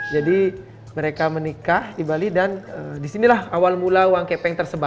jadi mereka menikah di bali dan disinilah awal mula uang keping tersebar